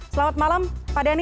selamat malam pak denny